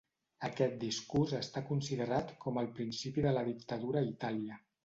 Aquest discurs està considerat com el principi de la dictadura a Itàlia.